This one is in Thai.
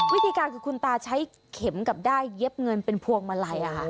วิธีการคือคุณตาใช้เข็มกับด้ายเย็บเงินเป็นพวงมาลัย